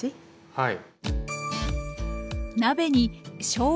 はい。